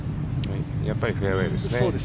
やっぱりフェアウェーですね。